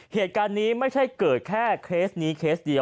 เหตุการณ์นี้ไม่ใช่เกิดแค่เคสนี้เคสเดียว